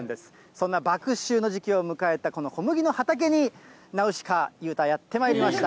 そんな麦秋の時期を迎えたこの小麦の畑に、ナウシカ裕太やってまいりました。